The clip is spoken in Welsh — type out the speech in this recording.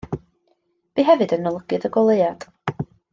Bu hefyd yn olygydd Y Goleuad.